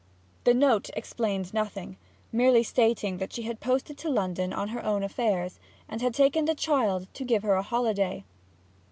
The note explained nothing, merely stating that she had posted to London on her own affairs, and had taken the child to give her a holiday.